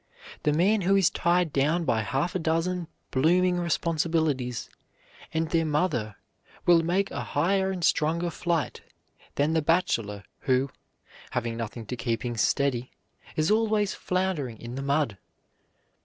The man who is tied down by half a dozen blooming responsibilities and their mother will make a higher and stronger flight than the bachelor who, having nothing to keep him steady, is always floundering in the mud.